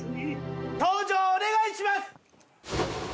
登場お願いします！